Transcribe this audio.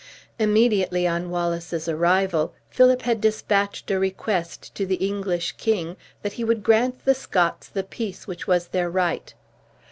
Immediately on Wallace's arrival, Philip had dispatched a request to the English king, that he would grant the Scots the peace which was their right.